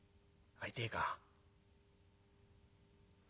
会いてえか？」。